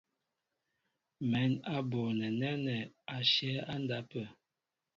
Mɛ̌n a bonɛ nɛ́nɛ́ á shyɛ̌ á ndápə̂.